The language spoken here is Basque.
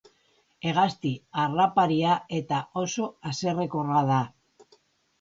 Hegazti harraparia eta oso haserrekorra da.